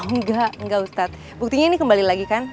enggak enggak ustadz buktinya ini kembali lagi kan